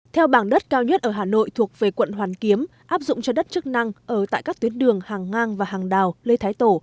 theo bảng đất cao nhất ở hà nội thuộc về quận hoàn kiếm áp dụng cho đất chức năng ở tại các tuyến đường hàng ngang và hàng đào lê thái tổ